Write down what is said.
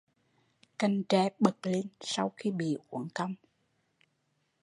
Cành tre bật lên sau khi bị uốn cong